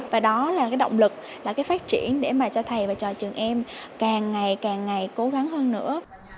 và đó là cái động lực là cái phát triển để mà cho thầy và cho trường em càng ngày càng ngày cố gắng hơn nữa